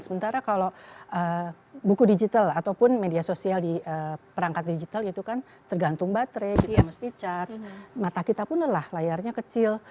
sementara kalau buku digital ataupun media sosial di perangkat digital itu kan tergantung baterai gitu ya mesti charge mata kita pun lelah layarnya kecil